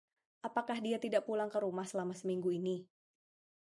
Apakah dia tidak pulang ke rumah selama seminggu ini..?